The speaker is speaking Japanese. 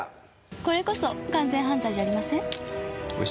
これこそ完全犯罪じゃありません。